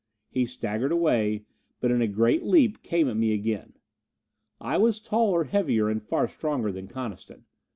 He staggered away, but in a great leap came at me again. I was taller, heavier and far stronger than Coniston.